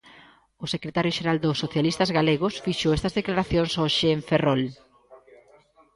O secretario xeral dos socialistas galegos fixo estas declaracións hoxe en Ferrol.